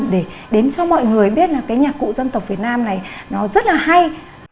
để đến cho mọi người biết là cái nhạc cụ dân tộc việt nam này nó rất là hay